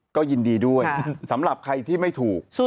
ก็ยินดีด้วยสำหรับใครที่ไม่ถูก